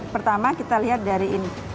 pertama kita lihat dari ini